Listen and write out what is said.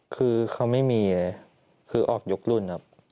คือเขาไม่มีเลยคือออกยกรุ่นครับ